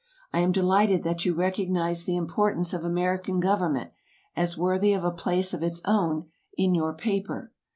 I am delighted that you recognize the importance of American government as worthy of a place of its own in your paper.